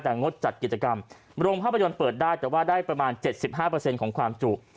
แต่งดจัดกิจกรรมโรงพยาบาลยนต์เปิดได้แต่ว่าได้ประมาณเจ็ดสิบห้าเปอร์เซ็นต์ของความจูบ